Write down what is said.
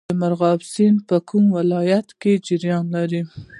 د مرغاب سیند په کوم ولایت کې جریان لري؟